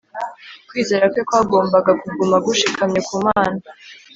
kwizera kwe kwagombaga kuguma gushikamye ku mana